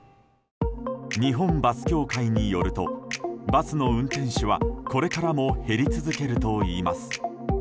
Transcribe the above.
日本バス協会によるとバスの運転手はこれからも減り続けるといいます。